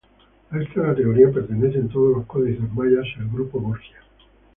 A esta categoría pertenecen todos los códices mayas y el grupo Borgia.